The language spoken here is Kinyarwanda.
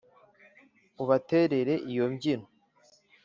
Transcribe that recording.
ubaterere iyo mbyino